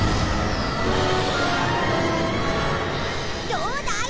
どうだい！